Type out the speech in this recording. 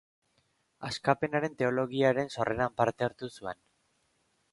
Askapenaren teologiaren sorreran parte hartu zuen.